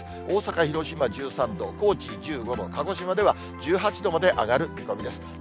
大阪、広島、１３度、高知１５度、鹿児島では１８度まで上がる見込みです。